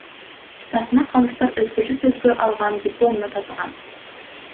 Тасма Калыстар өзгөчө сөзгө алган дипломуна татыган.